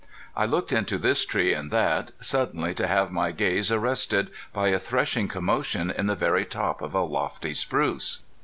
I looked into this tree and that, suddenly to have my gaze arrested by a threshing commotion in the very top of a lofty spruce.